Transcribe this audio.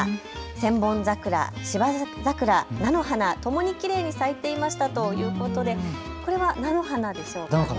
千本桜、芝桜、菜の花ともにきれいに咲いていましたということで、これは菜の花でしょうかね。